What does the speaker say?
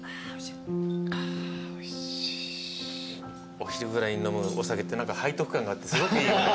お昼ぐらいに飲むお酒って背徳感があってすごくいいよね。